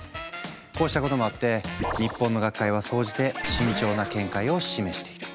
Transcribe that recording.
こうしたこともあって日本の学会は総じて慎重な見解を示している。